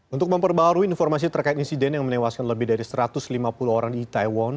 untuk memperbarui informasi terkait insiden yang menewaskan lebih dari satu ratus lima puluh orang di taiwan